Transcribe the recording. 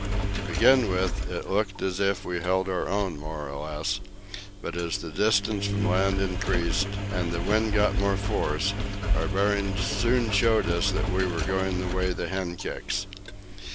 To begin with, it looked as if we held our own more or less, but as the distance from land increased and the wind got more force, our bearings soon showed us that we were going the way the hen kicks.